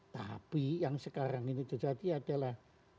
tapi yang sekarang ini terjadi adalah